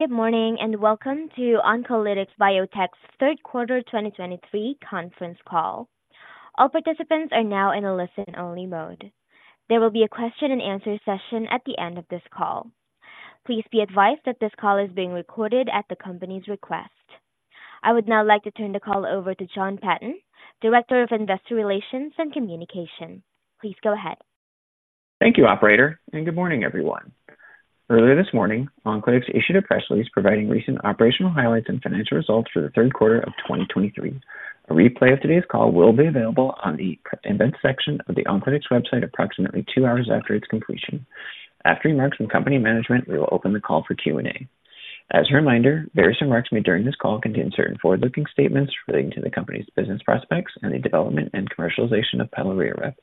Good morning, and welcome to Oncolytics Biotech's third quarter 2023 conference call. All participants are now in a listen-only mode. There will be a question-and answer session at the end of this call. Please be advised that this call is being recorded at the company's request. I would now like to turn the call over to Jon Patton, Director of Investor Relations and Communication. Please go ahead. Thank you, operator, and good morning, everyone. Earlier this morning, Oncolytics issued a press release providing recent operational highlights and financial results for the third quarter of 2023. A replay of today's call will be available on the investor section of the Oncolytics website approximately two hours after its completion. After remarks from company management, we will open the call for Q&A. As a reminder, various remarks made during this call contain certain forward-looking statements relating to the company's business prospects and the development and commercialization of pelareorep,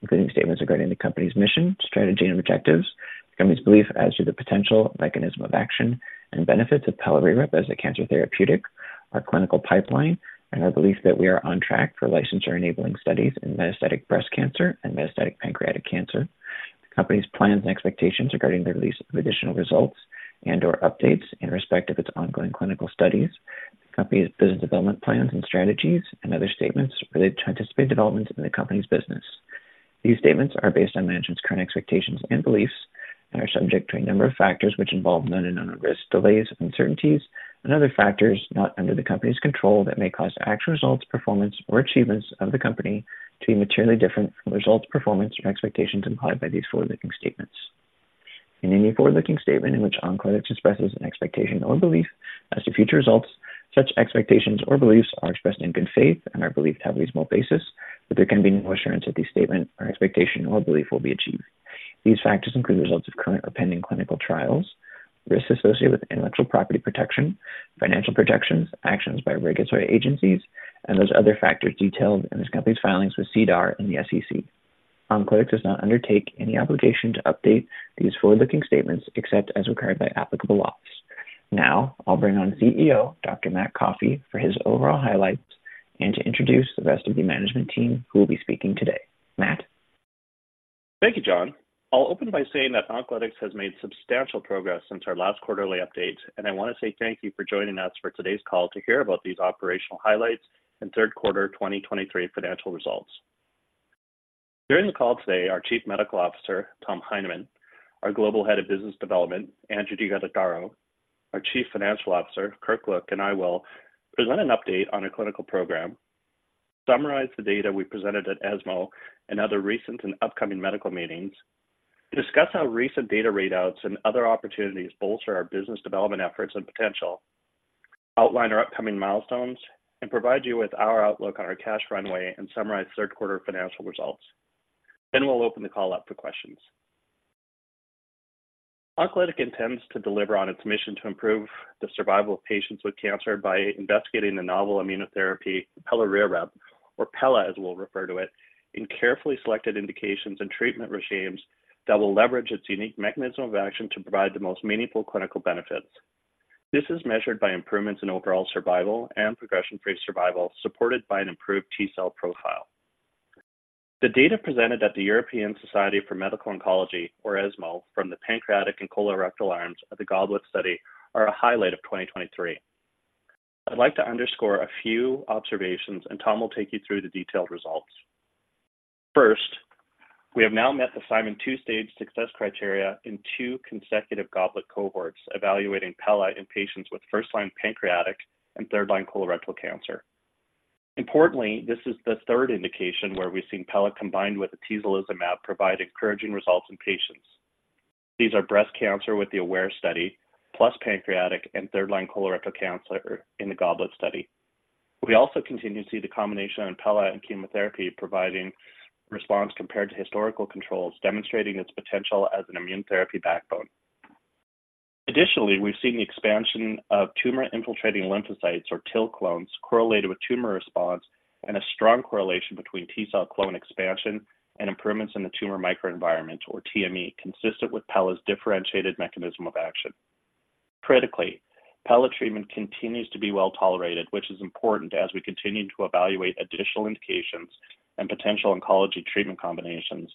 including statements regarding the company's mission, strategy, and objectives, the company's belief as to the potential mechanism of action and benefits of pelareorep as a cancer therapeutic, our clinical pipeline, and our belief that we are on track for license-enabling studies in metastatic breast cancer and metastatic pancreatic cancer, the company's plans and expectations regarding the release of additional results and/or updates in respect of its ongoing clinical studies, the company's business development plans and strategies, and other statements related to anticipated developments in the company's business. These statements are based on management's current expectations and beliefs and are subject to a number of factors which involve known and unknown risks, delays, uncertainties, and other factors not under the company's control that may cause actual results, performance, or achievements of the company to be materially different from the results, performance, or expectations implied by these forward-looking statements. In any forward-looking statement in which Oncolytics expresses an expectation or belief as to future results, such expectations or beliefs are expressed in good faith and are believed to have a reasonable basis, but there can be no assurance that these statement or expectation or belief will be achieved. These factors include the results of current or pending clinical trials, risks associated with intellectual property protection, financial projections, actions by regulatory agencies, and those other factors detailed in this company's filings with SEDAR and the SEC. Oncolytics does not undertake any obligation to update these forward-looking statements except as required by applicable laws. Now, I'll bring on CEO, Dr. Matt Coffey, for his overall highlights and to introduce the rest of the management team who will be speaking today. Matt? Thank you, Jon. I'll open by saying that Oncolytics has made substantial progress since our last quarterly update, and I want to say thank you for joining us for today's call to hear about these operational highlights and third quarter 2023 financial results. During the call today, our Chief Medical Officer, Tom Heineman, our Global Head of Business Development, Andrew de Guttadauro, our Chief Financial Officer, Kirk Look, and I will present an update on our clinical program, summarize the data we presented at ESMO and other recent and upcoming medical meetings, discuss how recent data readouts and other opportunities bolster our business development efforts and potential, outline our upcoming milestones, and provide you with our outlook on our cash runway and summarize third quarter financial results. Then we'll open the call up for questions. Oncolytics intends to deliver on its mission to improve the survival of patients with cancer by investigating the novel immunotherapy, pelareorep, or pela as we'll refer to it, in carefully selected indications and treatment regimes that will leverage its unique mechanism of action to provide the most meaningful clinical benefits. This is measured by improvements in overall survival and progression-free survival, supported by an improved T-cell profile. The data presented at the European Society for Medical Oncology, or ESMO, from the pancreatic and colorectal arms of the GOBLET study are a highlight of 2023. I'd like to underscore a few observations, and Tom will take you through the detailed results. First, we have now met the Simon two-stage success criteria in two consecutive GOBLET cohorts, evaluating pela in patients with first-line pancreatic and third-line colorectal cancer. Importantly, this is the third indication where we've seen pela combined with atezolizumab provide encouraging results in patients. These are breast cancer with the AWARE-1 study, plus pancreatic and third-line colorectal cancer in the GOBLET study. We also continue to see the combination of pela and chemotherapy providing response compared to historical controls, demonstrating its potential as an immune therapy backbone. Additionally, we've seen the expansion of tumor-infiltrating lymphocytes, or TIL clones, correlated with tumor response and a strong correlation between T-cell clone expansion and improvements in the tumor microenvironment, or TME, consistent with pela's differentiated mechanism of action. Critically, pela treatment continues to be well-tolerated, which is important as we continue to evaluate additional indications and potential oncology treatment combinations.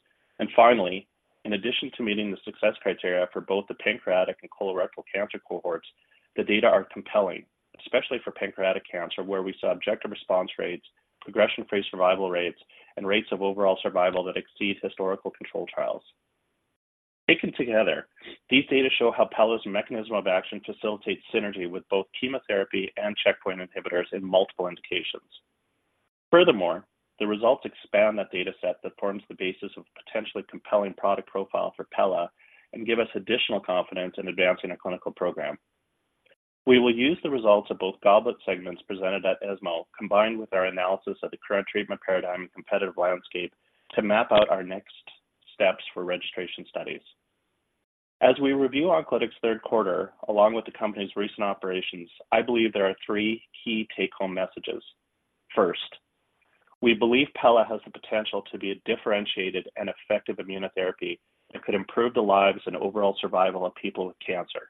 Finally, in addition to meeting the success criteria for both the pancreatic and colorectal cancer cohorts, the data are compelling, especially for pancreatic cancer, where we saw objective response rates, progression-free survival rates, and rates of overall survival that exceed historical control trials. Taken together, these data show how pela's mechanism of action facilitates synergy with both chemotherapy and checkpoint inhibitors in multiple indications. Furthermore, the results expand that data set that forms the basis of a potentially compelling product profile for pela and give us additional confidence in advancing our clinical program. We will use the results of both GOBLET segments presented at ESMO, combined with our analysis of the current treatment paradigm and competitive landscape, to map out our next steps for registration studies. As we review Oncolytics' third quarter, along with the company's recent operations, I believe there are three key take-home messages. First, we believe pela has the potential to be a differentiated and effective immunotherapy that could improve the lives and overall survival of people with cancer.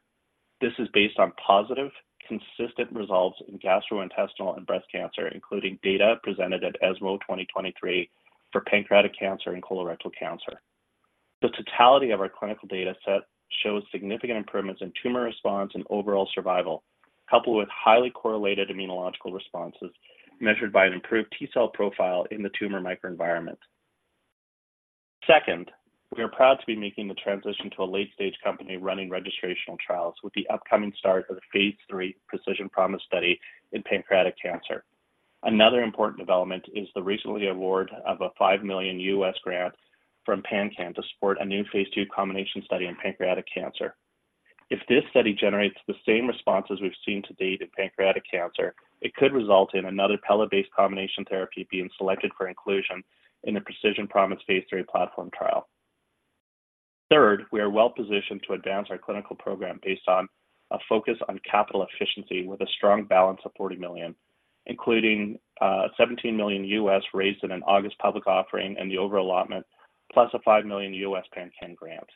This is based on positive, consistent results in gastrointestinal and breast cancer, including data presented at ESMO 2023 for pancreatic cancer and colorectal cancer. The totality of our clinical data set shows significant improvements in tumor response and overall survival, coupled with highly correlated immunological responses measured by an improved T-cell profile in the tumor microenvironment. Second, we are proud to be making the transition to a late-stage company running registrational trials with the upcoming start of the phase III Precision Promise study in pancreatic cancer. Another important development is the recently awarded $5 million grant from PanCAN to support a new phase II combination study in pancreatic cancer. If this study generates the same responses we've seen to date in pancreatic cancer, it could result in another pela-based combination therapy being selected for inclusion in the Precision Promise phase III platform trial. Third, we are well positioned to advance our clinical program based on a focus on capital efficiency, with a strong balance of 40 million, including seventeen million U.S. raised in an August public offering and the overallotment, plus a five million U.S. PanCAN grant.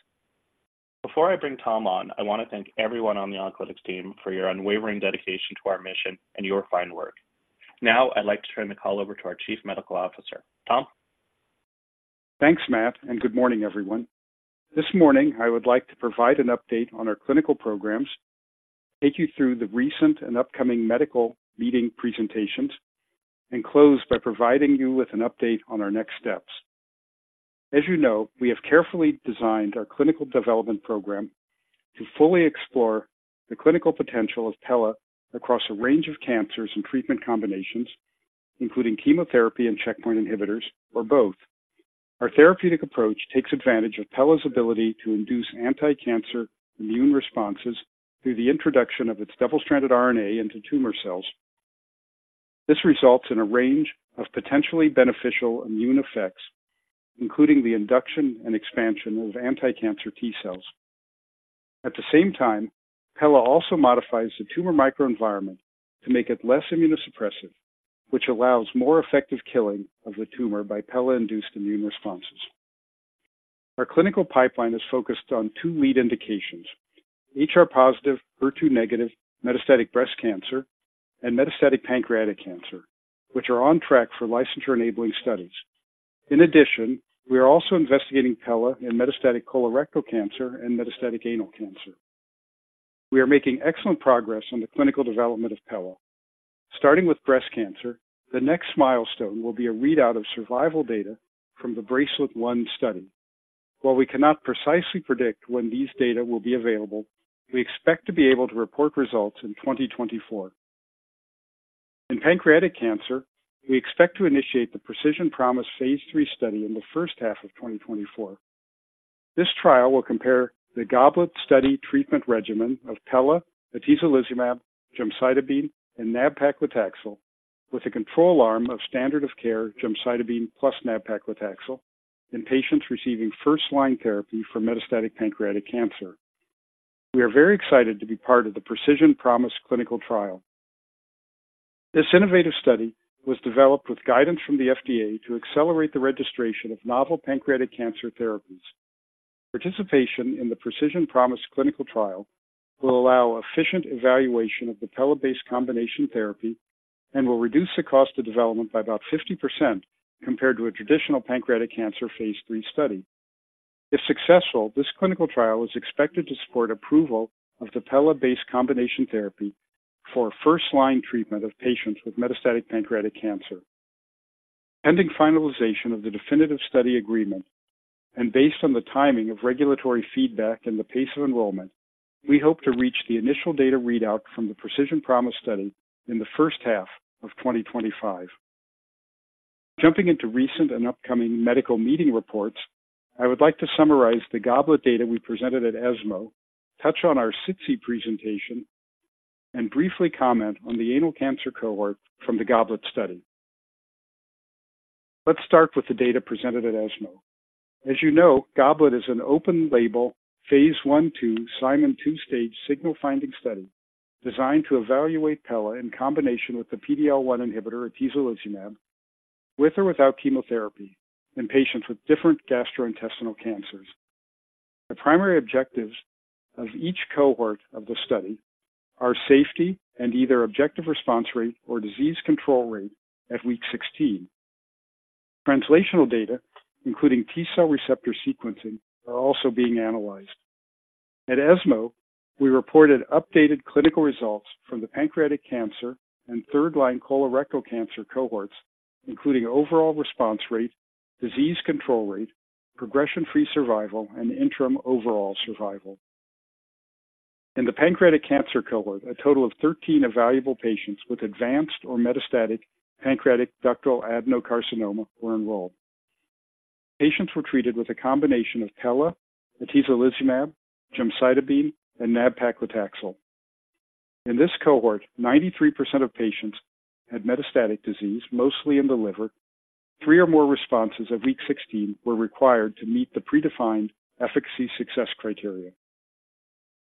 Before I bring Tom on, I want to thank everyone on the Oncolytics team for your unwavering dedication to our mission and your fine work. Now I'd like to turn the call over to our Chief Medical Officer. Tom? Thanks, Matt, and good morning, everyone. This morning, I would like to provide an update on our clinical programs, take you through the recent and upcoming medical meeting presentations, and close by providing you with an update on our next steps. As you know, we have carefully designed our clinical development program to fully explore the clinical potential of pelareorep across a range of cancers and treatment combinations, including chemotherapy and checkpoint inhibitors or both. Our therapeutic approach takes advantage of pelareorep's ability to induce anticancer immune responses through the introduction of its double-stranded RNA into tumor cells. This results in a range of potentially beneficial immune effects, including the induction and expansion of anticancer T cells. At the same time, pelareorep also modifies the tumor microenvironment to make it less immunosuppressive, which allows more effective killing of the tumor by pelareorep-induced immune responses. Our clinical pipeline is focused on two lead indications: HR-positive, HER2-negative metastatic breast cancer and metastatic pancreatic cancer, which are on track for licensure-enabling studies. In addition, we are also investigating pela in metastatic colorectal cancer and metastatic anal cancer. We are making excellent progress on the clinical development of pela. Starting with breast cancer, the next milestone will be a readout of survival data from the BRACELET-1 study. While we cannot precisely predict when these data will be available, we expect to be able to report results in 2024. In pancreatic cancer, we expect to initiate the Precision Promise phase III study in the first half of 2024. This trial will compare the GOBLET study treatment regimen of pela, atezolizumab, gemcitabine, and nab-paclitaxel with a control arm of standard of care gemcitabine plus nab-paclitaxel in patients receiving first-line therapy for metastatic pancreatic cancer. We are very excited to be part of the Precision Promise clinical trial. This innovative study was developed with guidance from the FDA to accelerate the registration of novel pancreatic cancer therapies. Participation in the Precision Promise clinical trial will allow efficient evaluation of the pela-based combination therapy and will reduce the cost of development by about 50% compared to a traditional pancreatic cancer phase III study. If successful, this clinical trial is expected to support approval of the pela-based combination therapy for first-line treatment of patients with metastatic pancreatic cancer. Pending finalization of the definitive study agreement and based on the timing of regulatory feedback and the pace of enrollment, we hope to reach the initial data readout from the Precision Promise study in the first half of 2025. Jumping into recent and upcoming medical meeting reports, I would like to summarize the GOBLET data we presented at ESMO, touch on our SITC presentation, and briefly comment on the anal cancer cohort from the GOBLET study. Let's start with the data presented at ESMO. As you know, GOBLET is an open-label, phase I/II Simon two-stage signal finding study designed to evaluate pela in combination with the PD-L1 inhibitor atezolizumab, with or without chemotherapy, in patients with different gastrointestinal cancers. The primary objectives of each cohort of the study are safety and either objective response rate or disease control rate at week 16. Translational data, including T cell receptor sequencing, are also being analyzed. At ESMO, we reported updated clinical results from the pancreatic cancer and third-line colorectal cancer cohorts, including overall response rate, disease control rate, progression-free survival, and interim overall survival. In the pancreatic cancer cohort, a total of 13 evaluable patients with advanced or metastatic pancreatic ductal adenocarcinoma were enrolled. Patients were treated with a combination of pela, atezolizumab, gemcitabine, and nab-paclitaxel. In this cohort, 93% of patients had metastatic disease, mostly in the liver. Three or more responses at week 16 were required to meet the predefined efficacy success criteria.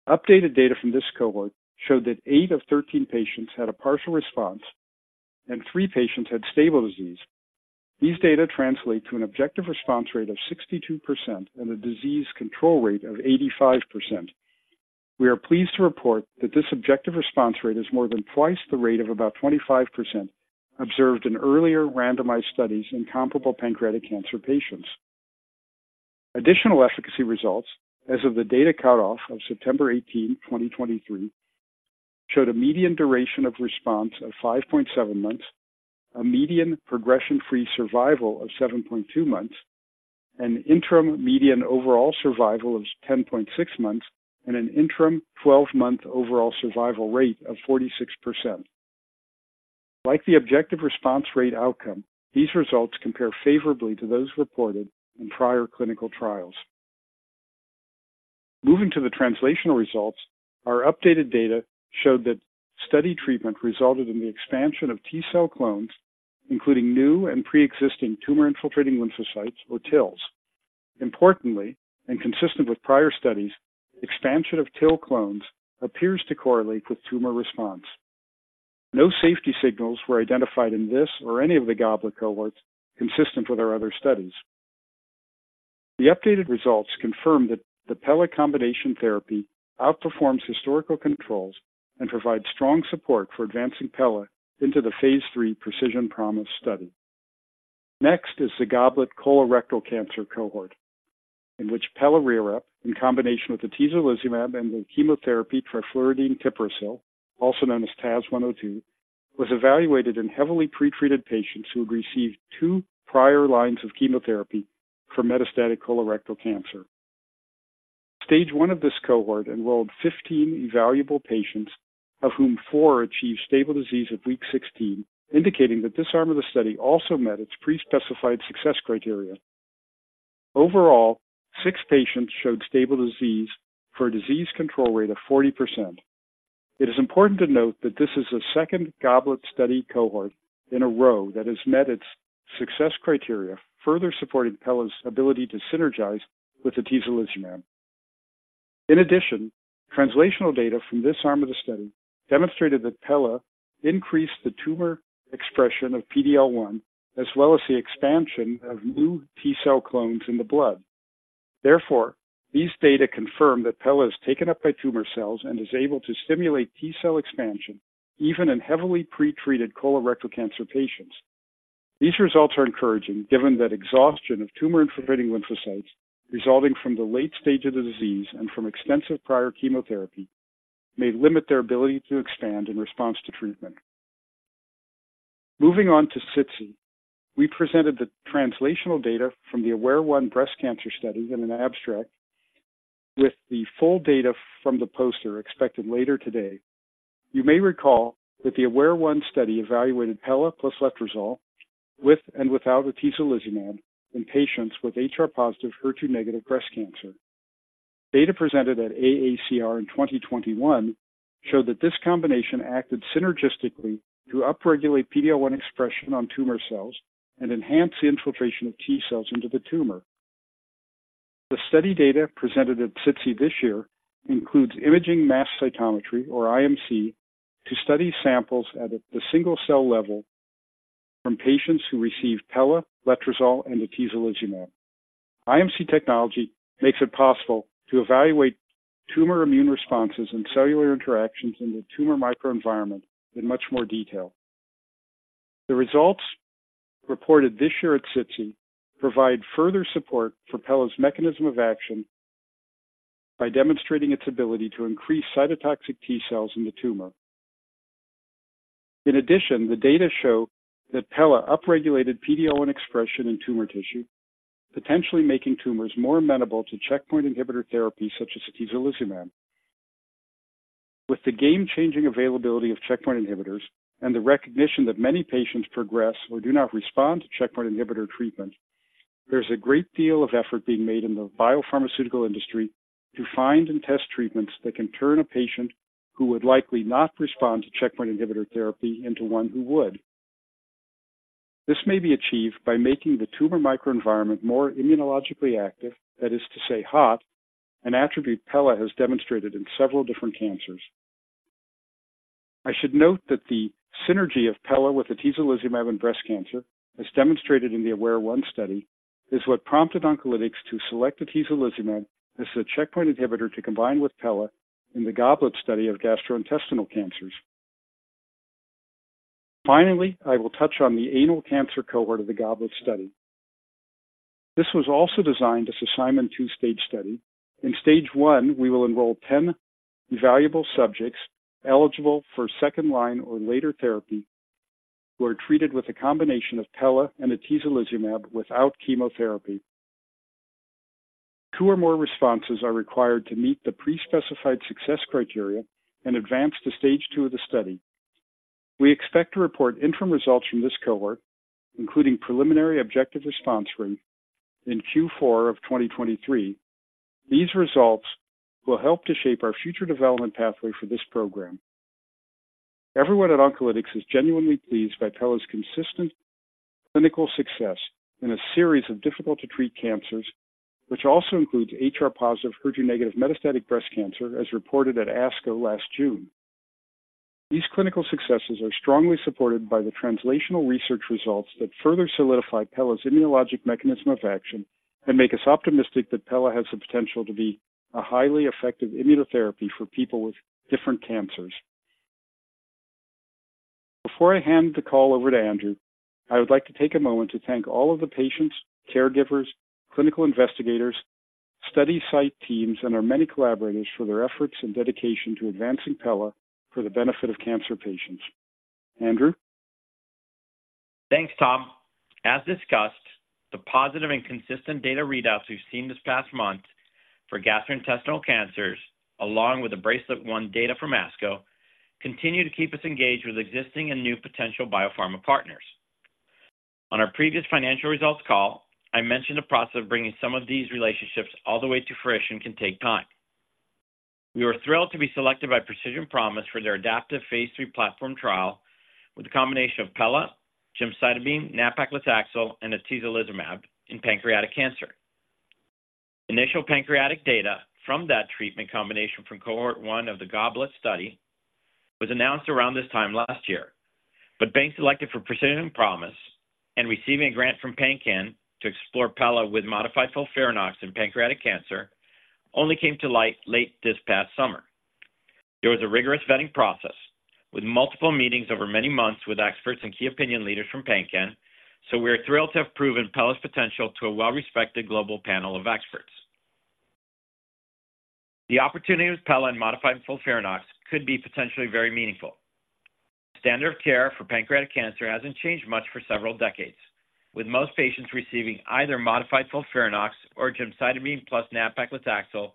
Updated data from this cohort showed that eight of 13 patients had a partial response, and three patients had stable disease. These data translate to an objective response rate of 62% and a disease control rate of 85%. We are pleased to report that this objective response rate is more than twice the rate of about 25% observed in earlier randomized studies in comparable pancreatic cancer patients. Additional efficacy results as of the data cutoff of September 18th, 2023, showed a median duration of response of 5.7 months, a median progression-free survival of 7.2 months, an interim median overall survival of 10.6 months, and an interim 12-month overall survival rate of 46%. Like the objective response rate outcome, these results compare favorably to those reported in prior clinical trials. Moving to the translational results, our updated data showed that study treatment resulted in the expansion of T-cell clones, including new and pre-existing tumor-infiltrating lymphocytes, or TILs. Importantly, and consistent with prior studies, expansion of TIL clones appears to correlate with tumor response. No safety signals were identified in this or any of the GOBLET cohorts, consistent with our other studies. The updated results confirm that the pela combination therapy outperforms historical controls and provides strong support for advancing pela into the phase III Precision Promise study. Next is the GOBLET colorectal cancer cohort, in which pelareorep, in combination with atezolizumab and the chemotherapy trifluridine tipiracil, also known as TAS-102, was evaluated in heavily pretreated patients who had received two prior lines of chemotherapy for metastatic colorectal cancer. Stage 1 of this cohort enrolled 15 evaluable patients, of whom four achieved stable disease at week 16, indicating that this arm of the study also met its pre-specified success criteria. Overall, six patients showed stable disease for a disease control rate of 40%. It is important to note that this is the second GOBLET study cohort in a row that has met its success criteria, further supporting pela's ability to synergize with atezolizumab. In addition, translational data from this arm of the study demonstrated that pela increased the tumor expression of PD-L1, as well as the expansion of new T-cell clones in the blood. Therefore, these data confirm that pela is taken up by tumor cells and is able to stimulate T-cell expansion, even in heavily pretreated colorectal cancer patients. These results are encouraging, given that exhaustion of tumor-infiltrating lymphocytes, resulting from the late stage of the disease and from extensive prior chemotherapy, may limit their ability to expand in response to treatment. Moving on to SITC, we presented the translational data from the AWARE-1 breast cancer study in an abstract, with the full data from the poster expected later today. You may recall that the AWARE-1 study evaluated pela plus letrozole with and without atezolizumab in patients with HR-positive, HER2-negative breast cancer. Data presented at AACR in 2021 showed that this combination acted synergistically to upregulate PD-L1 expression on tumor cells and enhance the infiltration of T cells into the tumor. The study data presented at SITC this year includes imaging mass cytometry, or IMC, to study samples at the single-cell level from patients who received pela, letrozole, and atezolizumab. IMC technology makes it possible to evaluate tumor immune responses and cellular interactions in the tumor microenvironment in much more detail. The results reported this year at SITC provide further support for pela's mechanism of action by demonstrating its ability to increase cytotoxic T cells in the tumor. In addition, the data show that pela upregulated PD-L1 expression in tumor tissue, potentially making tumors more amenable to checkpoint inhibitor therapy, such as atezolizumab. With the game-changing availability of checkpoint inhibitors and the recognition that many patients progress or do not respond to checkpoint inhibitor treatment, there's a great deal of effort being made in the biopharmaceutical industry to find and test treatments that can turn a patient who would likely not respond to checkpoint inhibitor therapy into one who would. This may be achieved by making the tumor microenvironment more immunologically active, that is to say, hot, an attribute pela has demonstrated in several different cancers. I should note that the synergy of pela with atezolizumab in breast cancer, as demonstrated in the AWARE-1 study, is what prompted Oncolytics to select atezolizumab as the checkpoint inhibitor to combine with pela in the GOBLET study of gastrointestinal cancers. Finally, I will touch on the anal cancer cohort of the GOBLET study. This was also designed as a Simon two-stage study. In Stage I, we will enroll 10 evaluable subjects eligible for second-line or later therapy, who are treated with a combination of pela and atezolizumab without chemotherapy. Two or more responses are required to meet the pre-specified success criteria and advance to Stage II of the study. We expect to report interim results from this cohort, including preliminary objective response rate, in Q4 of 2023. These results will help to shape our future development pathway for this program. Everyone at Oncolytics is genuinely pleased by pela's consistent clinical success in a series of difficult-to-treat cancers, which also includes HR-positive, HER2-negative metastatic breast cancer, as reported at ASCO last June. These clinical successes are strongly supported by the translational research results that further solidify pelareorep's immunologic mechanism of action and make us optimistic that pela has the potential to be a highly effective immunotherapy for people with different cancers. Before I hand the call over to Andrew, I would like to take a moment to thank all of the patients, caregivers, clinical investigators, study site teams, and our many collaborators for their efforts and dedication to advancing pela for the benefit of cancer patients. Andrew? Thanks, Tom. As discussed, the positive and consistent data readouts we've seen this past month for gastrointestinal cancers, along with the BRACELET-1 data from ASCO, continue to keep us engaged with existing and new potential biopharma partners. On our previous financial results call, I mentioned the process of bringing some of these relationships all the way to fruition can take time. We were thrilled to be selected by Precision Promise for their adaptive phase III platform trial, with a combination of pela, gemcitabine, nab-paclitaxel, and atezolizumab in pancreatic cancer. Initial pancreatic data from that treatment combination from cohort 1 of the GOBLET study was announced around this time last year. But being selected for Precision Promise and receiving a grant from PanCAN to explore pela with modified FOLFIRINOX in pancreatic cancer only came to light late this past summer. There was a rigorous vetting process, with multiple meetings over many months with experts and key opinion leaders from PanCAN, so we are thrilled to have proven pela's potential to a well-respected global panel of experts. The opportunity with pela and modified FOLFIRINOX could be potentially very meaningful. Standard of care for pancreatic cancer hasn't changed much for several decades, with most patients receiving either modified FOLFIRINOX or gemcitabine plus nab-paclitaxel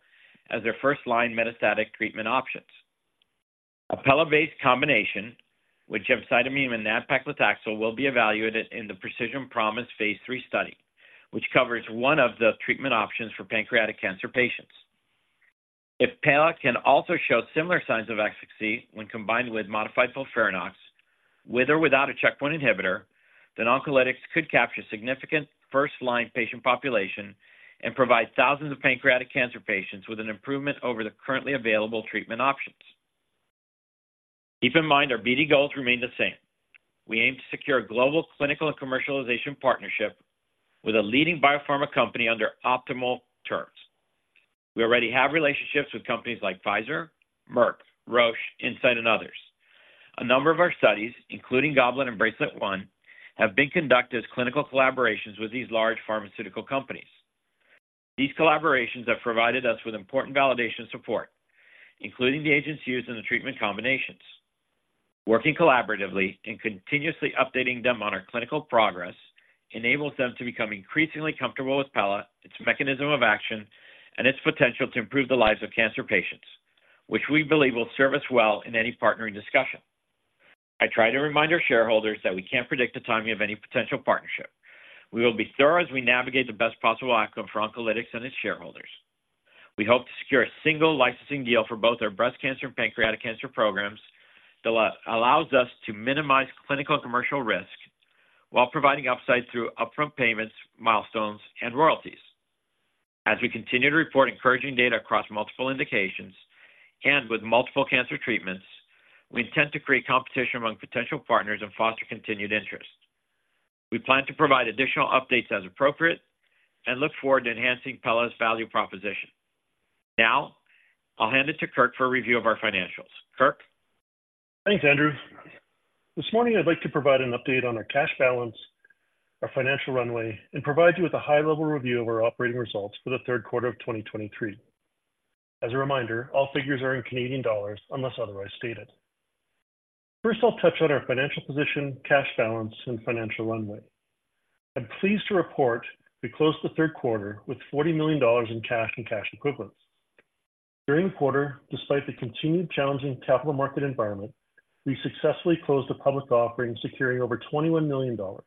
as their first-line metastatic treatment options. A pela-based combination with gemcitabine and nab-paclitaxel will be evaluated in the Precision Promise phase III study, which covers one of the treatment options for pancreatic cancer patients. If pela can also show similar signs of success when combined with modified FOLFIRINOX, with or without a checkpoint inhibitor, then Oncolytics could capture significant first-line patient population and provide thousands of pancreatic cancer patients with an improvement over the currently available treatment options. Keep in mind, our BD goals remain the same. We aim to secure a global clinical and commercialization partnership with a leading biopharma company under optimal terms. We already have relationships with companies like Pfizer, Merck, Roche, Incyte, and others. A number of our studies, including GOBLET and BRACELET-1, have been conducted as clinical collaborations with these large pharmaceutical companies. These collaborations have provided us with important validation support, including the agents used in the treatment combinations. Working collaboratively and continuously updating them on our clinical progress enables them to become increasingly comfortable with pela, its mechanism of action, and its potential to improve the lives of cancer patients, which we believe will serve us well in any partnering discussion. I try to remind our shareholders that we can't predict the timing of any potential partnership. We will be thorough as we navigate the best possible outcome for Oncolytics and its shareholders. We hope to secure a single licensing deal for both our breast cancer and pancreatic cancer programs that allows us to minimize clinical and commercial risk while providing upside through upfront payments, milestones, and royalties. As we continue to report encouraging data across multiple indications and with multiple cancer treatments, we intend to create competition among potential partners and foster continued interest. We plan to provide additional updates as appropriate and look forward to enhancing pela's value proposition. Now, I'll hand it to Kirk for a review of our financials. Kirk? Thanks, Andrew. This morning, I'd like to provide an update on our cash balance, our financial runway, and provide you with a high-level review of our operating results for the third quarter of 2023. As a reminder, all figures are in Canadian dollars unless otherwise stated. First, I'll touch on our financial position, cash balance, and financial runway. I'm pleased to report we closed the third quarter with 40 million dollars in cash and cash equivalents. During the quarter, despite the continued challenging capital market environment, we successfully closed a public offering, securing over 21 million dollars.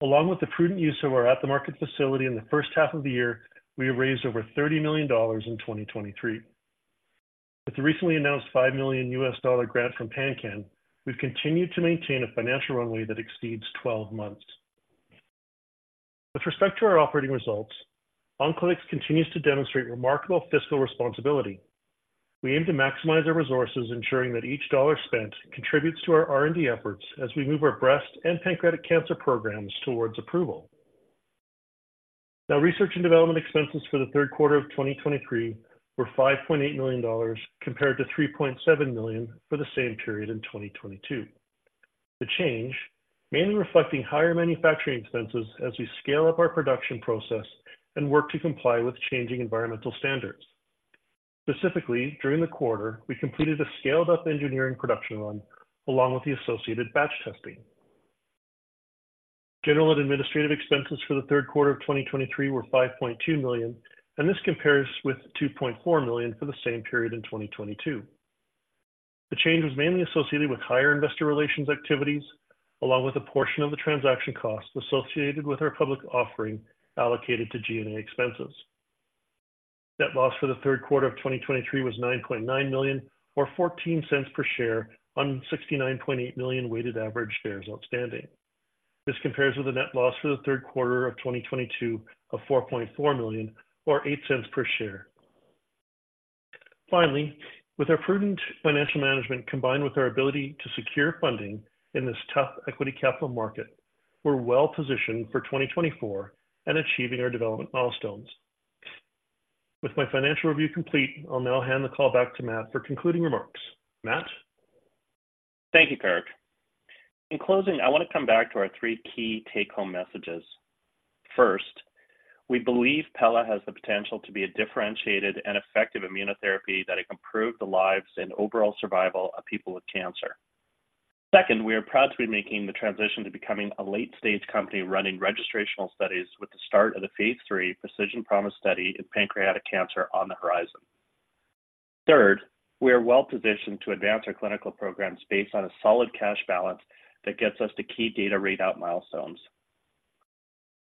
Along with the prudent use of our at-the-market facility in the first half of the year, we have raised over 30 million dollars in 2023. With the recently announced $5 million grant from PanCAN, we've continued to maintain a financial runway that exceeds 12 months. With respect to our operating results, Oncolytics continues to demonstrate remarkable fiscal responsibility. We aim to maximize our resources, ensuring that each dollar spent contributes to our R&D efforts as we move our breast and pancreatic cancer programs towards approval. Now, research and development expenses for the third quarter of 2023 were 5.8 million dollars, compared to 3.7 million for the same period in 2022. The change, mainly reflecting higher manufacturing expenses as we scale up our production process and work to comply with changing environmental standards. Specifically, during the quarter, we completed a scaled-up engineering production run along with the associated batch testing. General and administrative expenses for the third quarter of 2023 were 5.2 million, and this compares with 2.4 million for the same period in 2022. The change was mainly associated with higher investor relations activities, along with a portion of the transaction costs associated with our public offering allocated to G&A expenses. Net loss for the third quarter of 2023 was 9.9 million, or 0.14 per share on 69.8 million weighted average shares outstanding. This compares with the net loss for the third quarter of 2022 of 4.4 million, or 0.08 per share. Finally, with our prudent financial management, combined with our ability to secure funding in this tough equity capital market, we're well positioned for 2024 and achieving our development milestones. With my financial review complete, I'll now hand the call back to Matt for concluding remarks. Matt? Thank you, Kirk. In closing, I want to come back to our three key take-home messages. First, we believe pela has the potential to be a differentiated and effective immunotherapy that can improve the lives and overall survival of people with cancer. Second, we are proud to be making the transition to becoming a late-stage company running registrational studies with the start of the phase III Precision Promise study in pancreatic cancer on the horizon. Third, we are well positioned to advance our clinical programs based on a solid cash balance that gets us to key data read-out milestones.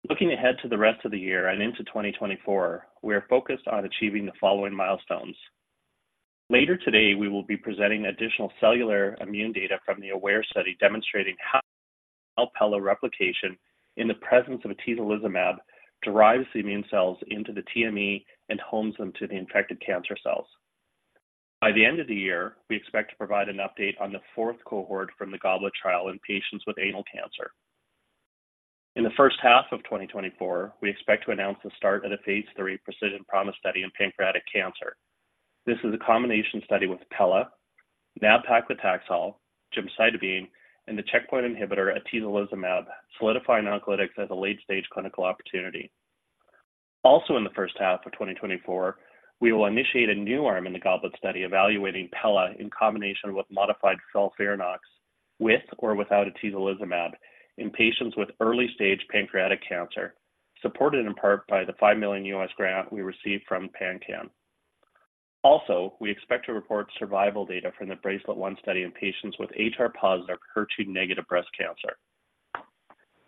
Looking ahead to the rest of the year and into 2024, we are focused on achieving the following milestones. Later today, we will be presenting additional cellular immune data from the AWARE study, demonstrating how pela replication in the presence of atezolizumab derives the immune cells into the TME and hones them to the infected cancer cells. By the end of the year, we expect to provide an update on the fourth cohort from the GOBLET trial in patients with anal cancer. In the first half of 2024, we expect to announce the start of a phase III Precision Promise study in pancreatic cancer. This is a combination study with pela, nab-paclitaxel, gemcitabine, and the checkpoint inhibitor atezolizumab, solidifying Oncolytics as a late-stage clinical opportunity. Also, in the first half of 2024, we will initiate a new arm in the GOBLET study, evaluating pelareorep in combination with modified FOLFIRINOX, with or without atezolizumab, in patients with early-stage pancreatic cancer, supported in part by the $5 million grant we received from PanCAN. Also, we expect to report survival data from the BRACELET-1 study in patients with HR-positive, HER2-negative breast cancer.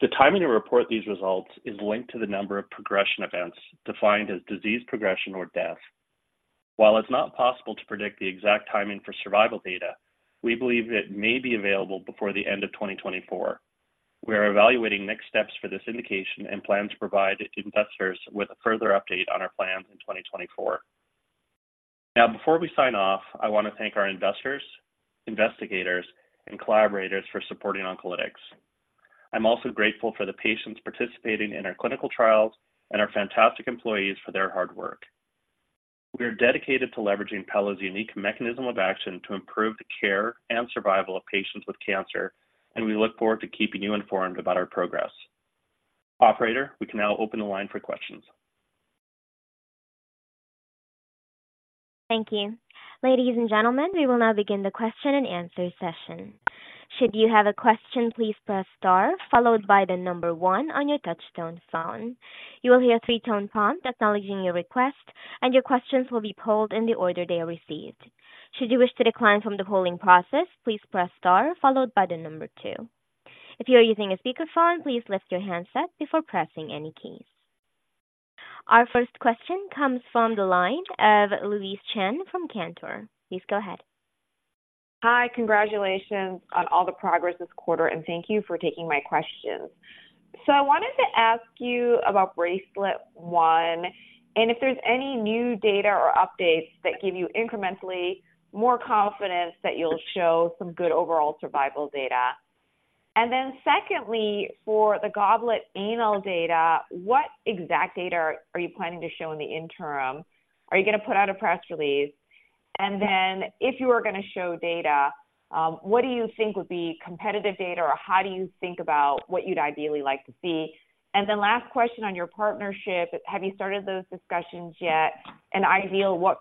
The timing to report these results is linked to the number of progression events defined as disease progression or death. While it's not possible to predict the exact timing for survival data, we believe it may be available before the end of 2024. We are evaluating next steps for this indication and plan to provide investors with a further update on our plans in 2024. Now, before we sign off, I want to thank our investors, investigators, and collaborators for supporting Oncolytics. I'm also grateful for the patients participating in our clinical trials and our fantastic employees for their hard work. We are dedicated to leveraging pela's unique mechanism of action to improve the care and survival of patients with cancer, and we look forward to keeping you informed about our progress. Operator, we can now open the line for questions. Thank you. Ladies and gentlemen, we will now begin the question-and-answer session. Should you have a question, please press star, followed by the number one on your touch-tone phone. You will hear a three-tone prompt acknowledging your request, and your questions will be polled in the order they are received. Should you wish to decline from the polling process, please press star followed by the number two. If you are using a speakerphone, please lift your handset before pressing any keys. Our first question comes from the line of Louise Chen from Cantor. Please go ahead. Hi, congratulations on all the progress this quarter, and thank you for taking my questions. So I wanted to ask you about BRACELET-1, and if there's any new data or updates that give you incrementally more confidence that you'll show some good overall survival data. And then secondly, for the GOBLET anal data, what exact data are you planning to show in the interim? Are you going to put out a press release? And then if you are going to show data, what do you think would be competitive data, or how do you think about what you'd ideally like to see? And then last question on your partnership, have you started those discussions yet? And ideally, what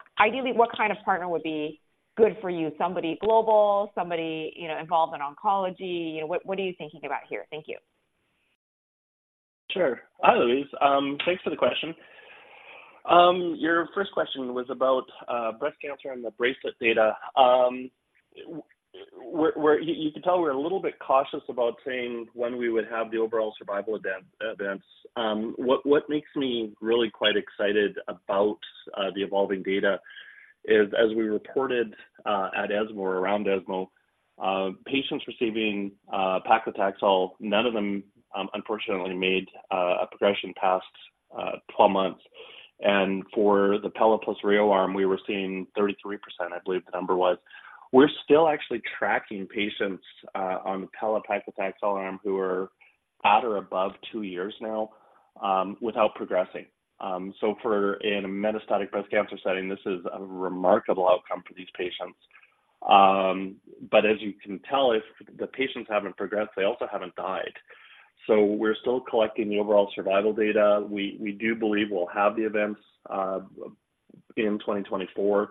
kind of partner would be good for you? Somebody global, somebody, you know, involved in oncology? You know, what are you thinking about here? Thank you. Sure. Hi, Louise. Thanks for the question. Your first question was about breast cancer and the BRACELET data. We're, you can tell we're a little bit cautious about saying when we would have the overall survival events. What makes me really quite excited about the evolving data is, as we reported at ESMO, around ESMO, patients receiving paclitaxel, none of them unfortunately made a progression past 12 months. And for the pela plus paclitaxel arm, we were seeing 33%, I believe the number was. We're still actually tracking patients on the pela paclitaxel arm who are at or above two years now without progressing. So for in a metastatic breast cancer setting, this is a remarkable outcome for these patients. But as you can tell, if the patients haven't progressed, they also haven't died. So we're still collecting the overall survival data. We do believe we'll have the events in 2024.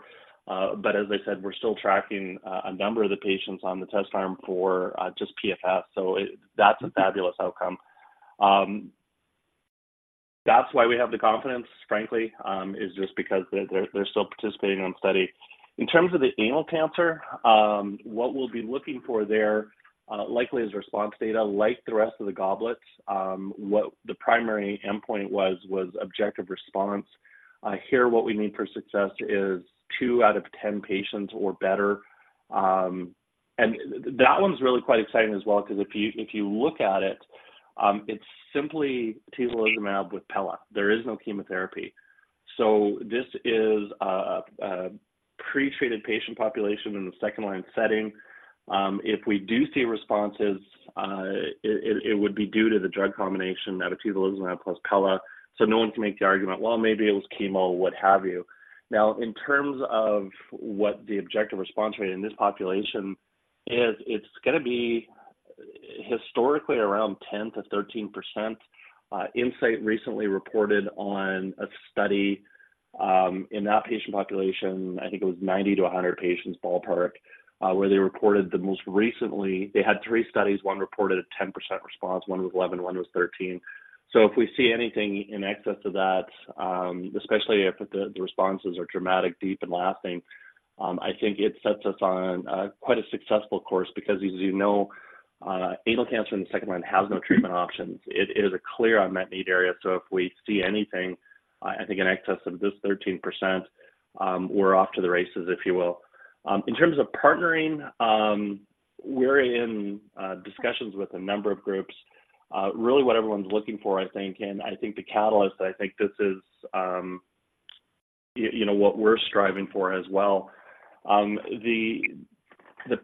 But as I said, we're still tracking a number of the patients on the test arm for just PFS, so it, that's a fabulous outcome. That's why we have the confidence, frankly, is just because they're still participating in the study. In terms of the anal cancer, what we'll be looking for there, likely is response data like the rest of the GOBLETs. What the primary endpoint was objective response. Here, what we need for success is two out of 10 patients or better. And that one's really quite exciting as well, because if you look at it, it's simply atezolizumab with pela. There is no chemotherapy. So this is a pre-treated patient population in the second-line setting. If we do see responses, it would be due to the drug combination of atezolizumab plus pela. So no one can make the argument, well, maybe it was chemo, what have you. Now, in terms of what the objective response rate in this population is, it's going to be historically around 10%-13%. Incyte recently reported on a study in that patient population, I think it was 90-100 patients, ballpark, where they reported the most recently. They had three studies. One reported a 10% response, one was 11%, one was 13%. So if we see anything in excess of that, especially if the responses are dramatic, deep, and lasting, I think it sets us on quite a successful course because as you know, anal cancer in the second line has no treatment options. It is a clear unmet need area, so if we see anything, I think in excess of this 13%, we're off to the races, if you will. In terms of partnering, we're in discussions with a number of groups. Really what everyone's looking for, I think, and I think the catalyst, I think this is, you know, what we're striving for as well. The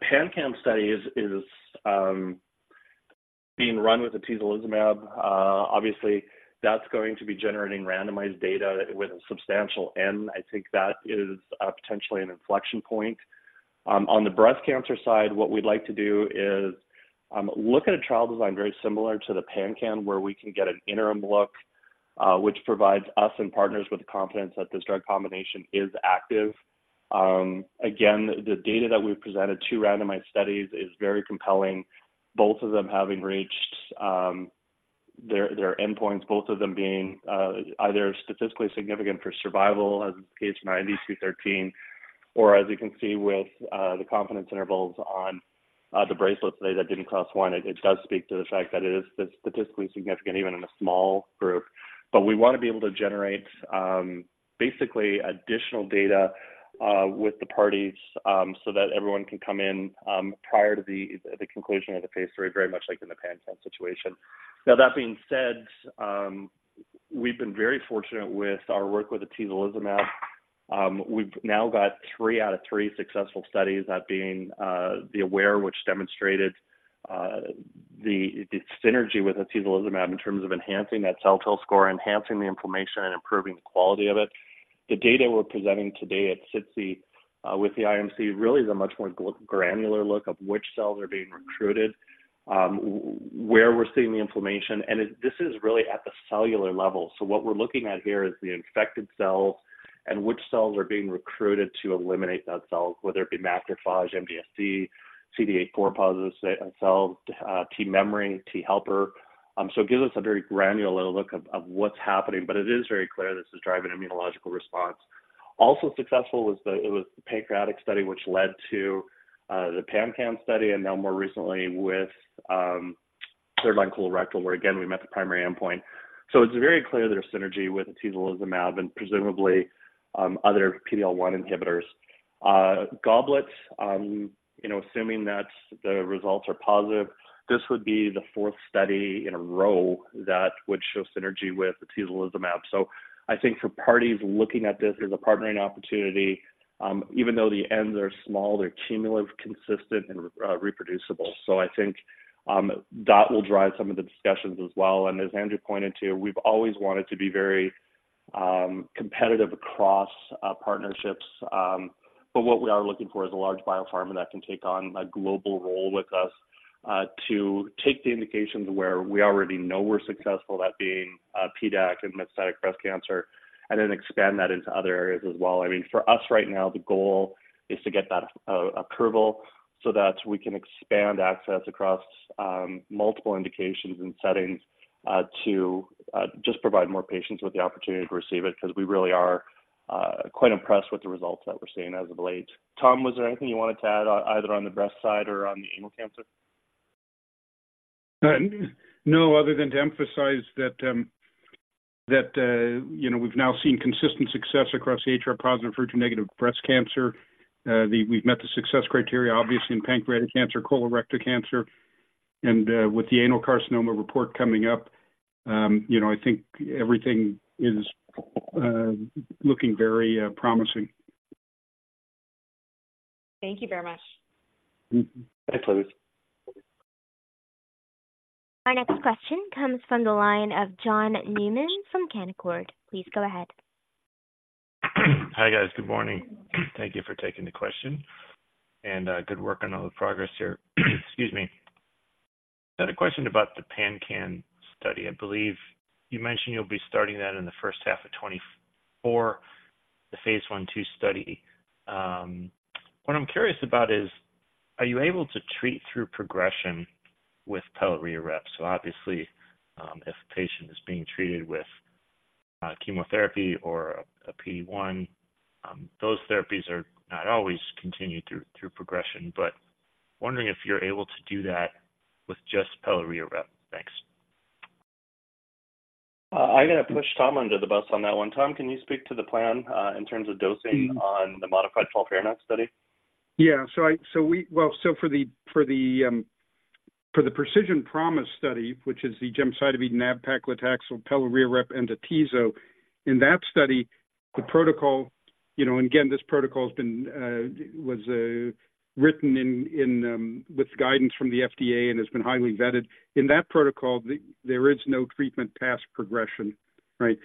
PanCan study is being run with atezolizumab. Obviously, that's going to be generating randomized data with a substantial N. I think that is potentially an inflection point. On the breast cancer side, what we'd like to do is look at a trial design very similar to the PanCAN, where we can get an interim look, which provides us and partners with the confidence that this drug combination is active. Again, the data that we presented, two randomized studies, is very compelling, both of them having reached their endpoints, both of them being either statistically significant for survival, as is the case [IND-213], or as you can see, with the confidence intervals on the BRACELET study that didn't cross one. It does speak to the fact that it is statistically significant, even in a small group. But we want to be able to generate basically additional data with the parties so that everyone can come in prior to the conclusion of the phase III, very much like in the PanCAN situation. Now, that being said, we've been very fortunate with our work with atezolizumab. We've now got three out of three successful studies, that being the AWARE, which demonstrated the synergy with atezolizumab in terms of enhancing that TIL score, enhancing the inflammation, and improving the quality of it. The data we're presenting today at SITC with the IMC really is a much more granular look of which cells are being recruited, where we're seeing the inflammation, and this is really at the cellular level. So what we're looking at here is the infected cells and which cells are being recruited to eliminate that cell, whether it be macrophage, MDSC, CD8, CD4 positive cells, T memory, T helper. So it gives us a very granular look of, of what's happening, but it is very clear this is driving immunological response. Also successful was the, it was the pancreatic study, which led to, the PanCAN study and now more recently with, third-line colorectal, where again, we met the primary endpoint. So it's very clear there's synergy with atezolizumab and presumably, other PD-L1 inhibitors. GOBLET, you know, assuming that the results are positive, this would be the fourth study in a row that would show synergy with atezolizumab. So I think for parties looking at this as a partnering opportunity, even though the Ns are small, they're cumulative, consistent, and reproducible. So I think that will drive some of the discussions as well. And as Andrew pointed to, we've always wanted to be very competitive across partnerships. But what we are looking for is a large biopharma that can take on a global role with us to take the indications where we already know we're successful, that being PDAC and metastatic breast cancer, and then expand that into other areas as well. I mean, for us, right now, the goal is to get that approval so that we can expand access across multiple indications and settings to just provide more patients with the opportunity to receive it, because we really are quite impressed with the results that we're seeing as of late. Tom, was there anything you wanted to add, either on the breast side or on the anal cancer? No, other than to emphasize that you know, we've now seen consistent success across the HR-positive, HER2-negative breast cancer. We've met the success criteria, obviously, in pancreatic cancer, colorectal cancer, and with the anal carcinoma report coming up, you know, I think everything is looking very promising. Thank you very much. Mm-hmm. Thanks, Louise. Our next question comes from the line of John Newman from Canaccord. Please go ahead. Hi, guys. Good morning. Thank you for taking the question, and good work on all the progress here. Excuse me. I had a question about the PanCan study. I believe you mentioned you'll be starting that in the first half of 2024, the phase I,II study. What I'm curious about is, are you able to treat through progression with pelareorep? So obviously, if a patient is being treated with chemotherapy or a PD-1, those therapies are not always continued through progression, but wondering if you're able to do that with just pelareorep. Thanks. I'm going to push Tom under the bus on that one. Tom, can you speak to the plan, in terms of dosing on the modified FOLFIRINOX study? Yeah. So, well, for the Precision Promise study, which is the gemcitabine, nab-paclitaxel, pelareorep, and atezo, in that study, the protocol, you know, and again, this protocol has been written with guidance from the FDA and has been highly vetted. In that protocol, there is no treatment past progression, right?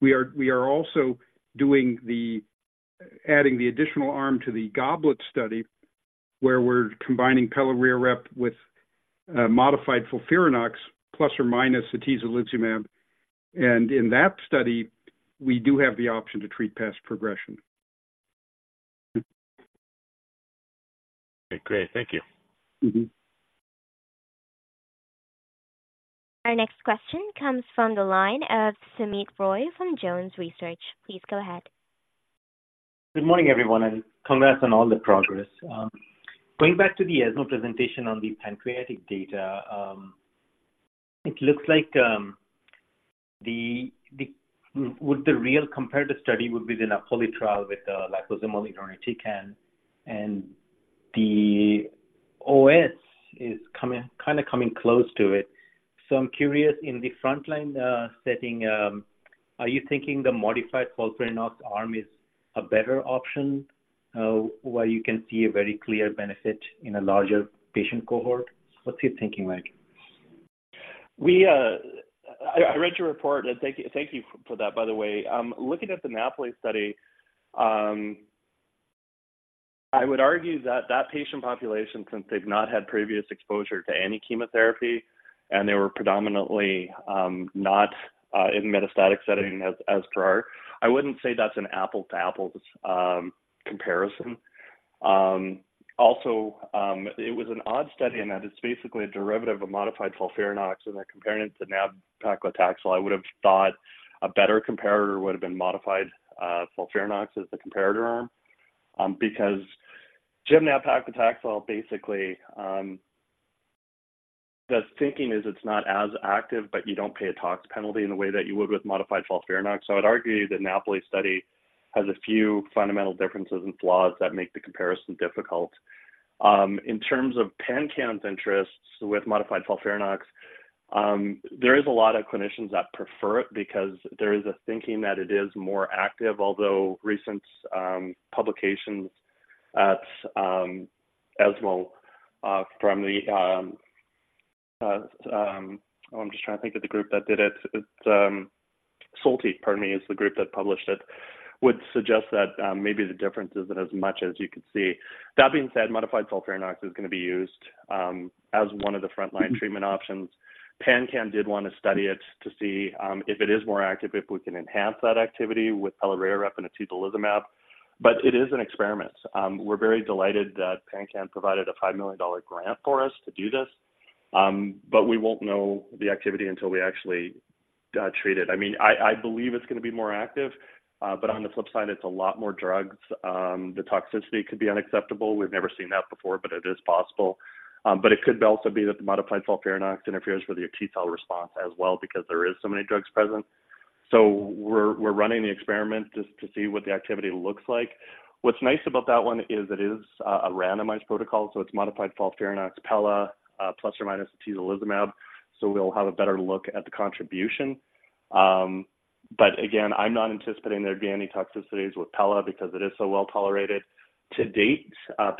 We are also adding the additional arm to the GOBLET study, where we're combining pelareorep with modified FOLFIRINOX plus or minus atezolizumab. And in that study, we do have the option to treat past progression. Okay, great. Thank you. Our next question comes from the line of Soumit Roy from Jones Research. Please go ahead. Good morning, everyone, and congrats on all the progress. Going back to the ESMO presentation on the pancreatic data, it looks like the real comparative study would be the Napoli trial with the liposomal irinotecan, and the OS is, kind of coming close to it. So I'm curious, in the frontline setting, are you thinking the modified FOLFIRINOX arm is a better option, where you can see a very clear benefit in a larger patient cohort? What's your thinking like? I read your report, and thank you for that, by the way. Looking at the Napoli study, I would argue that patient population, since they've not had previous exposure to any chemotherapy, and they were predominantly not in metastatic setting as per our. I wouldn't say that's an apple-to-apples comparison. Also, it was an odd study in that it's basically a derivative of modified FOLFIRINOX, and they're comparing it to nab-paclitaxel. I would have thought a better comparator would have been modified FOLFIRINOX as the comparator arm, because gem nab-paclitaxel, basically, the thinking is it's not as active, but you don't pay a tax penalty in the way that you would with modified FOLFIRINOX. So I'd argue the Napoli study has a few fundamental differences and flaws that make the comparison difficult. In terms of PanCan's interests with modified FOLFIRINOX, there is a lot of clinicians that prefer it because there is a thinking that it is more active, although recent publications at ESMO from the, I'm just trying to think of the group that did it. It's SOLTI, pardon me, is the group that published it, would suggest that maybe the difference isn't as much as you could see. That being said, modified FOLFIRINOX is going to be used as one of the frontline treatment options. PanCan did want to study it to see if it is more active, if we can enhance that activity with pelareorep and atezolizumab, but it is an experiment. We're very delighted that PanCan provided a $5 million grant for us to do this, but we won't know the activity until we actually treat it. I mean, I believe it's going to be more active, but on the flip side, it's a lot more drugs. The toxicity could be unacceptable. We've never seen that before, but it is possible. But it could also be that the modified FOLFIRINOX interferes with your T cell response as well because there is so many drugs present. So we're running the experiment just to see what the activity looks like. What's nice about that one is it is a randomized protocol, so it's modified FOLFIRINOX pela plus or minus atezolizumab, so we'll have a better look at the contribution. But again, I'm not anticipating there'd be any toxicities with pela because it is so well tolerated. To date,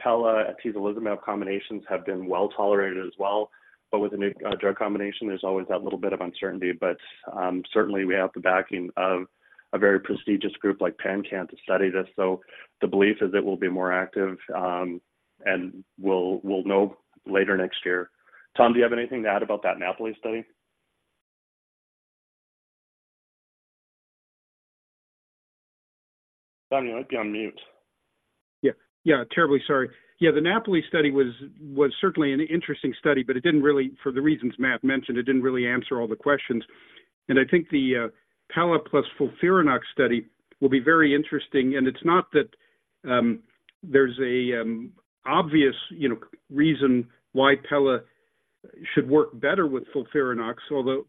pela and atezolizumab combinations have been well tolerated as well, but with a new drug combination, there's always that little bit of uncertainty. But certainly, we have the backing of a very prestigious group like PanCan to study this. So the belief is it will be more active, and we'll, we'll know later next year. Tom, do you have anything to add about that Napoli study? Tom, you might be on mute. Yeah, terribly sorry. Yeah, the Napoli study was, was certainly an interesting study, but it didn't really, for the reasons Matt mentioned, it didn't really answer all the questions. And I think the pela plus FOLFIRINOX study will be very interesting, and it's not that there's a obvious, you know, reason why pela should work better with FOLFIRINOX, although...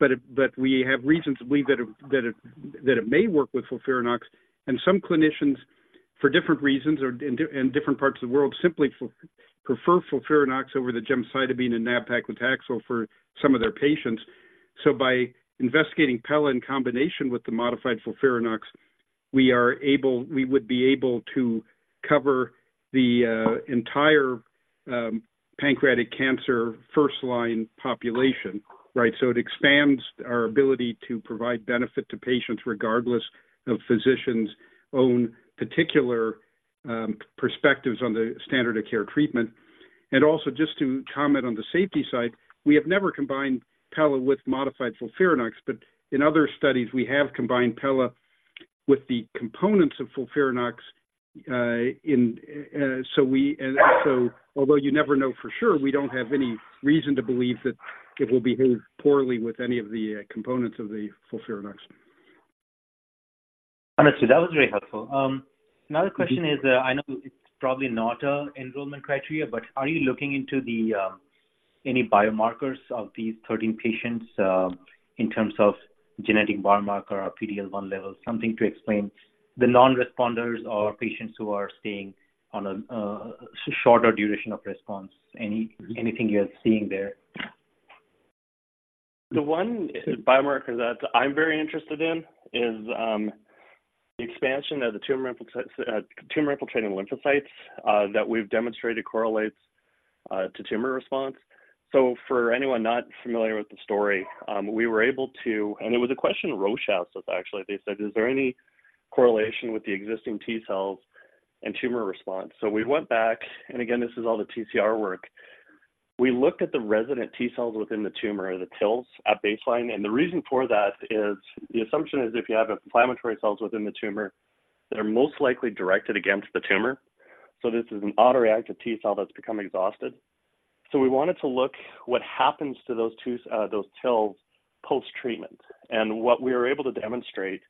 But it, but we have reason to believe that it, that it, that it may work with FOLFIRINOX, and some clinicians, for different reasons or in different parts of the world, simply prefer FOLFIRINOX over the gemcitabine and nab-paclitaxel for some of their patients. So by investigating pela in combination with the modified FOLFIRINOX, we would be able to cover the entire pancreatic cancer first-line population, right? So it expands our ability to provide benefit to patients, regardless of physicians' own particular perspectives on the standard of care treatment. And also, just to comment on the safety side, we have never combined pela with modified FOLFIRINOX, but in other studies, we have combined pela with the components of FOLFIRINOX, so we, and so although you never know for sure, we don't have any reason to believe that it will behave poorly with any of the components of the FOLFIRINOX. Understood. That was very helpful. Another question is, I know it's probably not a enrollment criteria, but are you looking into the any biomarkers of these 13 patients, in terms of genetic biomarker or PD-L1 levels, something to explain the non-responders or patients who are staying on a shorter duration of response? Anything you're seeing there? The one biomarker that I'm very interested in is the expansion of the tumor infiltrates, tumor-infiltrating lymphocytes that we've demonstrated correlates to tumor response. So for anyone not familiar with the story, we were able to, and it was a question Roy asked us, actually. They said, "Is there any correlation with the existing T cells and tumor response?" So we went back, and again, this is all the TCR work. We looked at the resident T cells within the tumor, or the TILs, at baseline, and the reason for that is the assumption is if you have inflammatory cells within the tumor, they are most likely directed against the tumor. So this is an autoreactive T cell that's become exhausted. So we wanted to look what happens to those two, those TILs post-treatment. What we were able to demonstrate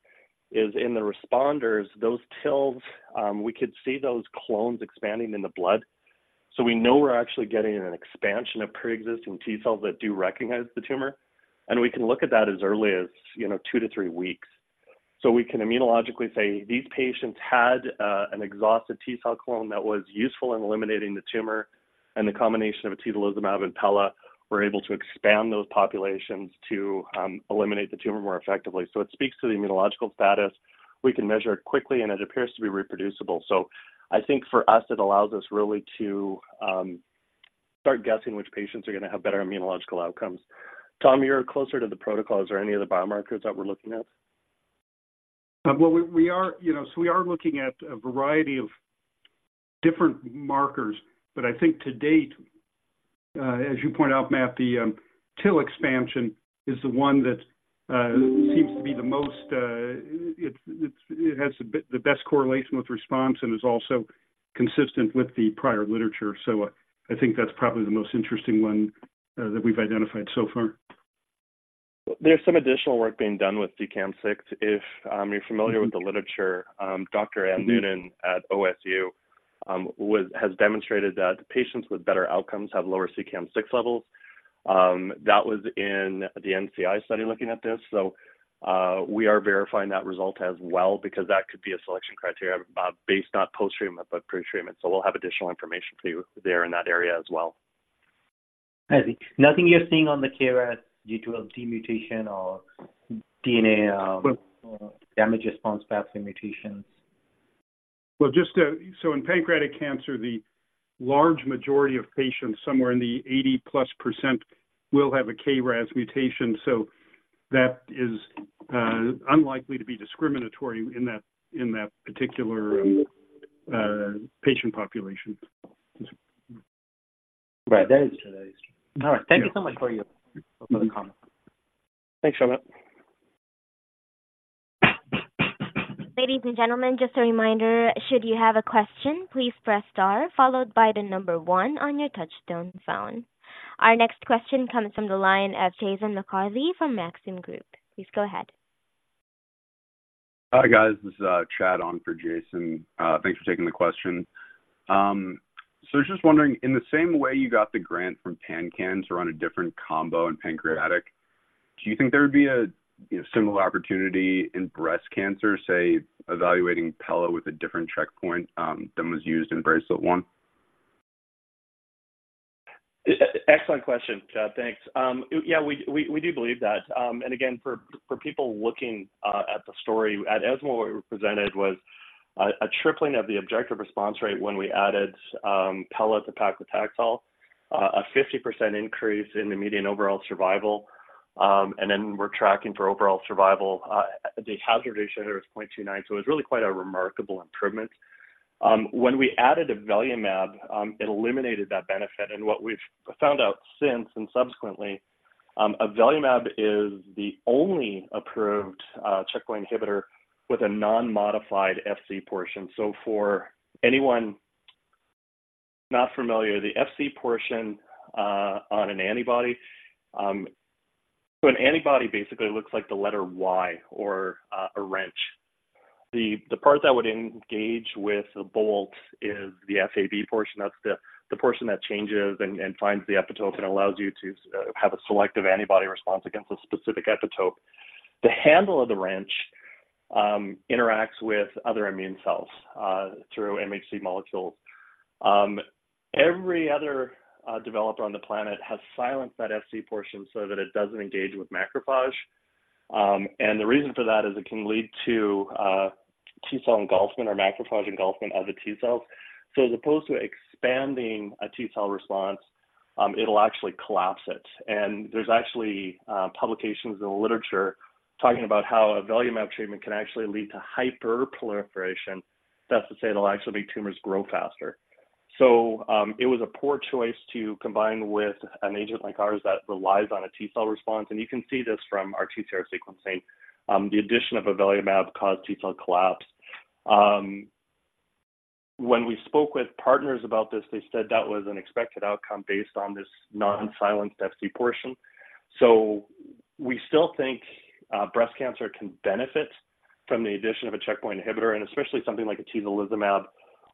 is in the responders, those TILs, we could see those clones expanding in the blood. So we know we're actually getting an expansion of preexisting T cells that do recognize the tumor, and we can look at that as early as, you know, two to three weeks. So we can immunologically say, these patients had an exhausted T cell clone that was useful in eliminating the tumor, and the combination of atezolizumab and pela were able to expand those populations to eliminate the tumor more effectively. So it speaks to the immunological status. We can measure it quickly, and it appears to be reproducible. So I think for us, it allows us really to start guessing which patients are going to have better immunological outcomes. Tom, you're closer to the protocol. Is there any other biomarkers that we're looking at? Well, you know, so we are looking at a variety of different markers, but I think to date, as you point out, Matt, the TIL expansion is the one that seems to be the most, it has the best correlation with response and is also consistent with the prior literature. So I think that's probably the most interesting one, that we've identified so far. There's some additional work being done with CEACAM6. If you're familiar with the literature, Dr. Anne Noonan at OSU has demonstrated that patients with better outcomes have lower CEACAM6 levels. That was in the NCI study looking at this. So we are verifying that result as well because that could be a selection criteria based not post-treatment, but pre-treatment. So we'll have additional information for you there in that area as well. I see. Nothing you're seeing on the KRAS G12D mutation or DNA, or damage response pathway mutations? Well, just, so in pancreatic cancer, the large majority of patients, somewhere in the 80%+, will have a KRAS G12D mutation, so that is, unlikely to be discriminatory in that particular, patient population. Right. That is true. All right. Yeah. Thank you so much for your comment. Thanks so much. Ladies and gentlemen, just a reminder, should you have a question, please press star followed by one on your touch-tone phone. Our next question comes from the line of Jason McCarthy from Maxim Group. Please go ahead. Hi, guys. This is Chad on for Jason. Thanks for taking the question. So just wondering, in the same way you got the grant from PanCAN to run a different combo in pancreatic, do you think there would be a, you know, similar opportunity in breast cancer, say, evaluating pela with a different checkpoint than was used in BRACELET-1? Excellent question, Chad. Thanks. Yeah, we do believe that. And again, for people looking at the story, at ESMO, what we presented was a tripling of the objective response rate when we added pela to paclitaxel, a 50% increase in the median overall survival. And then we're tracking for overall survival. The hazard ratio there is 0.29, so it was really quite a remarkable improvement. When we added avelumab, it eliminated that benefit, and what we've found out since and subsequently, avelumab is the only approved checkpoint inhibitor with a non-modified FC portion. So for anyone not familiar, the Fc portion on an antibody, so an antibody basically looks like the letter Y or a wrench. The part that would engage with the bolt is the Fc portion. That's the portion that changes and finds the epitope and allows you to have a selective antibody response against a specific epitope. The handle of the wrench interacts with other immune cells through MHC molecules. Every other developer on the planet has silenced that Fc portion so that it doesn't engage with macrophage. The reason for that is it can lead to T cell engulfment or macrophage engulfment of the T cells. So as opposed to expanding a T cell response, it'll actually collapse it. And there's actually publications in the literature talking about how avelumab treatment can actually lead to hyperproliferation. That's to say, it'll actually make tumors grow faster. So, it was a poor choice to combine with an agent like ours that relies on a T cell response, and you can see this from our T cell sequencing. The addition of avelumab caused T cell collapse. When we spoke with partners about this, they said that was an expected outcome based on this non-modified Fc portion. So we still think breast cancer can benefit from the addition of a checkpoint inhibitor, and especially something like atezolizumab,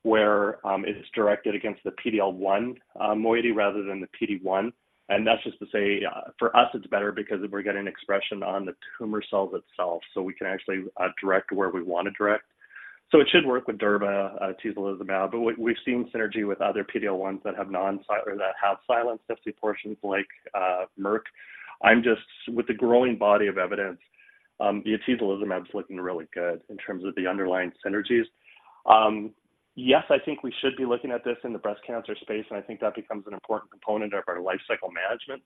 where it is directed against the PD-L1 moiety rather than the PD-1. And that's just to say, for us, it's better because we're getting expression on the tumor cells itself, so we can actually direct where we want to direct. It should work with durva, atezolizumab, but we, we've seen synergy with other PD-L1s that have non- or that have silenced Fc portions like, Merck. I'm just, with the growing body of evidence, the atezolizumab is looking really good in terms of the underlying synergies. Yes, I think we should be looking at this in the breast cancer space, and I think that becomes an important component of our lifecycle management,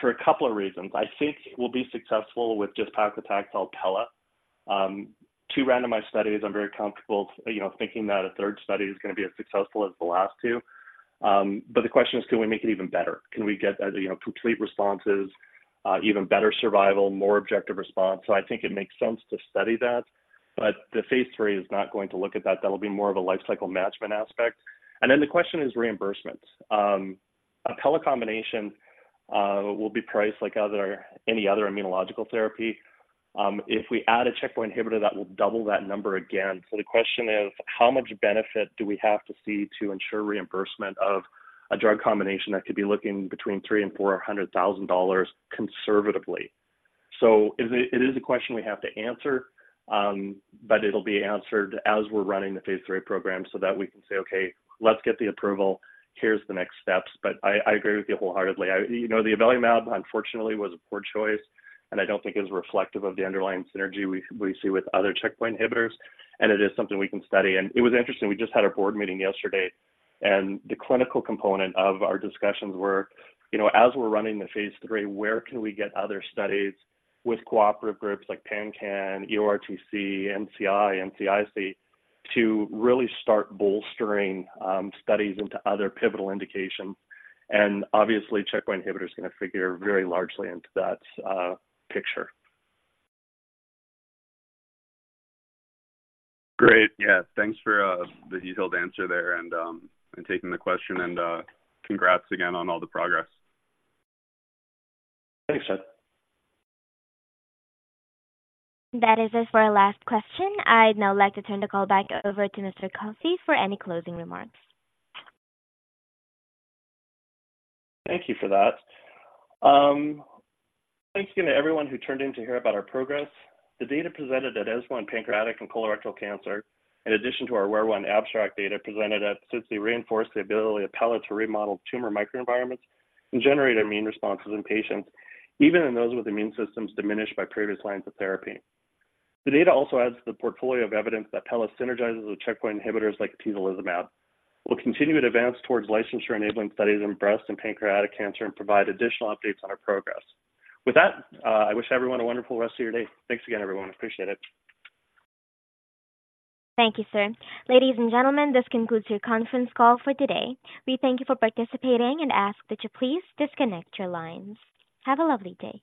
for a couple of reasons. I think we'll be successful with just paclitaxel pela. Two randomized studies, I'm very comfortable, you know, thinking that a third study is going to be as successful as the last two. But the question is, can we make it even better? Can we get, as you know, complete responses, even better survival, more objective response? So I think it makes sense to study that, but the phase III is not going to look at that. That'll be more of a lifecycle management aspect. And then the question is reimbursement. Pela combination will be priced like other, any other immunological therapy. If we add a checkpoint inhibitor, that will double that number again. So the question is, how much benefit do we have to see to ensure reimbursement of a drug combination that could be looking between $300,000 and $400,000 conservatively? So it is, it is a question we have to answer, but it'll be answered as we're running the phase III program so that we can say, "Okay, let's get the approval. Here's the next steps." But I agree with you wholeheartedly. The avelumab, unfortunately, was a poor choice, and I don't think it's reflective of the underlying synergy we see with other checkpoint inhibitors, and it is something we can study. And it was interesting, we just had a board meeting yesterday, and the clinical component of our discussions were, you know, as we're running the phase III, where can we get other studies with cooperative groups like PanCAN, EORTC, NCI, NCIC, to really start bolstering studies into other pivotal indications? And obviously, checkpoint inhibitor is gonna figure very largely into that picture. Great. Yeah, thanks for the detailed answer there and taking the question, and congrats again on all the progress. Thanks, Chad. That is it for our last question. I'd now like to turn the call back over to Mr. Coffey for any closing remarks. Thank you for that. Thanks again to everyone who tuned in to hear about our progress. The data presented at ESMO in pancreatic and colorectal cancer, in addition to our AWARE-1 abstract data presented at SITC, reinforced the ability of pela to remodel tumor microenvironments and generate immune responses in patients, even in those with immune systems diminished by previous lines of therapy. The data also adds to the portfolio of evidence that pela synergizes with checkpoint inhibitors like atezolizumab. We'll continue to advance towards licensure-enabling studies in breast and pancreatic cancer and provide additional updates on our progress. With that, I wish everyone a wonderful rest of your day. Thanks again, everyone. I appreciate it. Thank you, sir. Ladies and gentlemen, this concludes your conference call for today. We thank you for participating and ask that you please disconnect your lines. Have a lovely day.